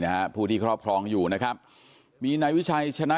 นะฮะผู้ที่ครอบครองอยู่นะครับมีในวิชายชะน๊ะ